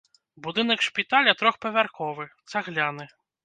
Будынак шпіталя трохпавярховы, цагляны.